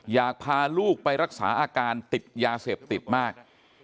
อยากพาลูกไปรักษาอาการติดยาเสพติดมาก